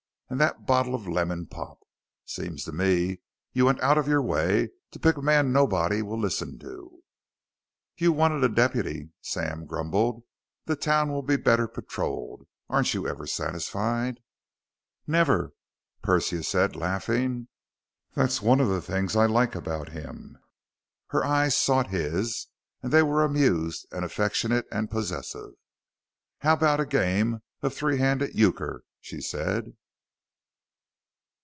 "And that bottle of lemon pop! Seems to me you went out of your way to pick a man nobody will listen to." "You wanted a deputy," Sam grumbled. "The town will be better patrolled. Aren't you ever satisfied?" "Never!" Persia said, laughing. "That's one of the things I like about him." Her eyes sought his, and they were amused and affectionate and possessive. "How about a game of three handed euchre?" she said.